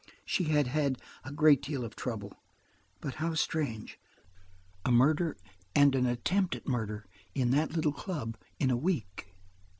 "She had had a great deal of trouble. But how strange–a murder and an attempt at murder–at that little club in a week!"